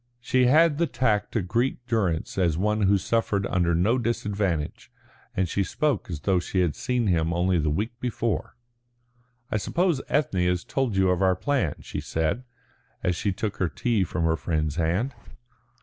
She had the tact to greet Durrance as one who suffered under no disadvantage, and she spoke as though she had seen him only the week before. "I suppose Ethne has told you of our plan," she said, as she took her tea from her friend's hand.